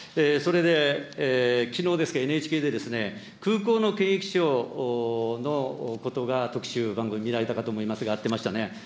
それで、きのうですか、ＮＨＫで、空港の検疫所のことが特集、番組見られたかと思いますが、やってましたね。